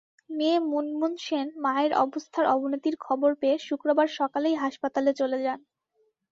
মেয়ে মুনমুন সেন মায়ের অবস্থার অবনতির খবর পেয়ে শুক্রবার সকালেই হাসপাতালে চলে যান।